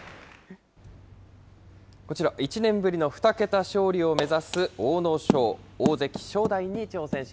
こちら１年ぶりの２桁勝利を目指す阿武咲。